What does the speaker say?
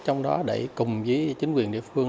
trong đó để cùng với chính quyền địa phương